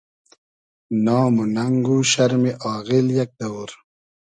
نام و نئنگ و شئرمی آغیل یئگ دئوور